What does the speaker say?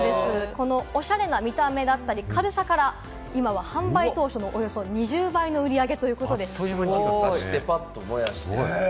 このおしゃれな見た目だったり、軽さから今、販売当初のおよそ２０倍の売り上げということだそうです。